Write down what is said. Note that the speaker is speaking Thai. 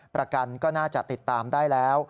ประกันก็น่าจะติดตามได้แล้ว